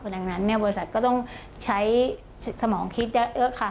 ดังนั้นบริษัทก็ต้องใช้สมองคิดเยอะค่ะ